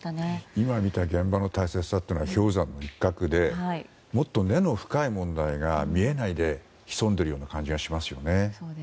今見た現場の大変さは氷山の一角でもっと根の深い問題が見えないで、潜んでいるような感じがしますね。